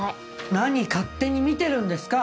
何勝手に見てるんですか！